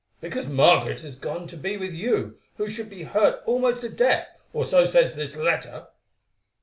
"Because Margaret has gone to be with you, who should be hurt almost to death, or so says this letter."